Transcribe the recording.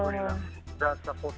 kalau di tiongkok sudah alhamdulillah